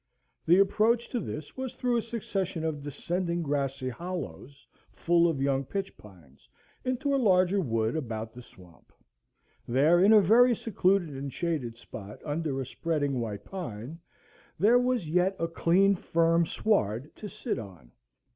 The approach to this was through a succession of descending grassy hollows, full of young pitch pines, into a larger wood about the swamp. There, in a very secluded and shaded spot, under a spreading white pine, there was yet a clean, firm sward to sit on.